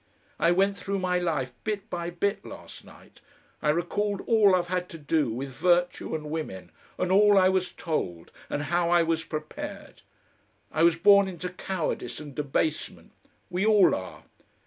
I went through my life bit by bit last night, I recalled all I've had to do with virtue and women, and all I was told and how I was prepared. I was born into cowardice and debasement. We all are.